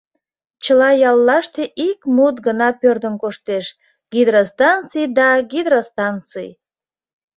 Чыла яллаште ик мут гына пӧрдын коштеш: гидростанций да гидростанций...